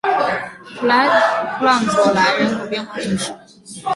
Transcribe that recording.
普朗佐莱人口变化图示